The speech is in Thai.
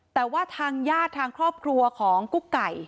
แต่ว่าทางญาติทางครอบครัวของกุ๊กไก่